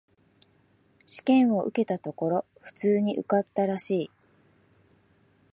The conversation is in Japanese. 試験を受けたところ、普通に受かったらしい。